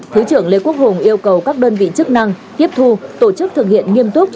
thứ trưởng lê quốc hùng yêu cầu các đơn vị chức năng tiếp thu tổ chức thực hiện nghiêm túc